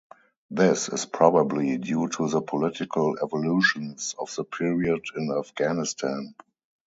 This is probably due to the political evolutions of the period in Afghanistan.